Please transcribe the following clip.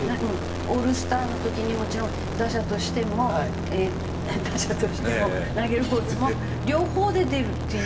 オールスターの時にもちろん打者としてもえー打者としても投げるほうでも両方で出るっていう？